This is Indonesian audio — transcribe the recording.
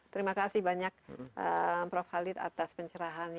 terima kasih banyak prof khalid atas pencerahannya